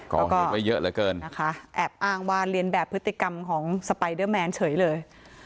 ก่อเหตุไว้เยอะเหลือเกินนะคะแอบอ้างว่าเรียนแบบพฤติกรรมของสไปเดอร์แมนเฉยเลย